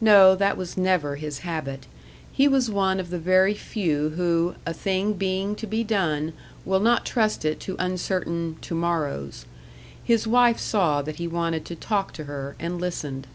No, that was never his habit. He was one of the very few who, a thing being to be done, will not trust it to uncertain "to morrows." His wife saw that he wanted to talk to her, and listened.